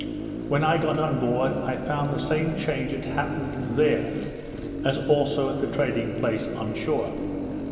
When I got on board, I found the same change had happened there, as also at the trading place on shore.